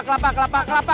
kelapa kelapa kelapa kelapa